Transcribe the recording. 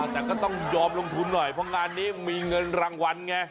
แต่ก็ต้องยอมลงทุนหน่อยเพราะงานนี้มีเงินรางวัลไง